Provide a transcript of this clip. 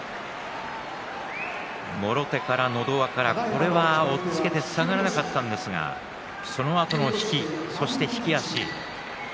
もろ手から、のど輪からこれは押っつけて下がらなかったんですがそのあとの引き足。